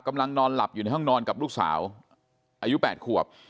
นอนหลับอยู่ในห้องนอนกับลูกสาวอายุ๘ขวบ